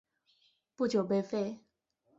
不久被废。